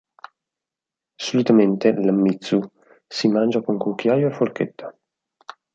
Solitamente l"'anmitsu" si mangia con cucchiaio e forchetta.